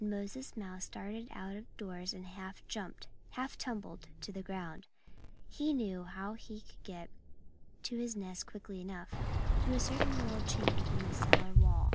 And Moses Mouse darted out of doors and half jumped, half tumbled, to the ground. He knew how he could get to his nest quickly enough, through a certain chink in the cellar wall.